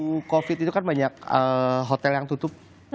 waktu covid itu kan banyak hotel yang tutup